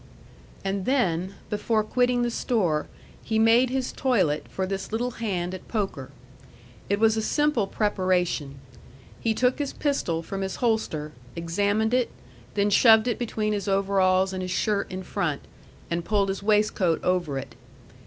And then, before quitting the store, he made his toilet for this little hand at poker. It was a simple preparation. He took his pistol from its holster, examined it, then shoved it between his overalls and his shirt in front, and pulled his waistcoat over it.